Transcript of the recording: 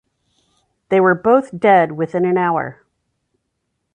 They were both dead within an hour.